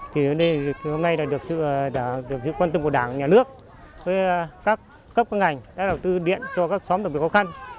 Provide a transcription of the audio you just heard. thì hôm nay là được sự quan tâm của đảng nhà nước các ngành đã đầu tư điện cho các xóm đặc biệt khó khăn